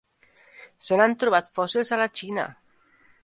Se n'han trobat fòssils a la Xina.